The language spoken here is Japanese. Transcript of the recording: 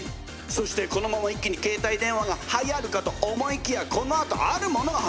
そしてこのまま一気に携帯電話がはやるかと思いきやこのあとあるものがはやるんだぜ。